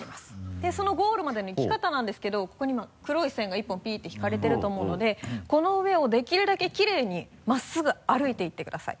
でそのゴールまでの行き方なんですけどここに今黒い線が一本ピって引かれていると思うのでこの上をできるだけきれいに真っすぐ歩いて行ってください。